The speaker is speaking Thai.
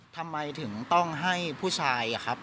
ทำไมถึงต้องให้ผู้ชายอะครับ